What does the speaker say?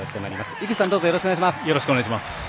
井口さん、よろしくお願いします。